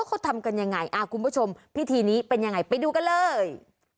เขาทำกันยังไงคุณผู้ชมพิธีนี้เป็นยังไงไปดูกันเลย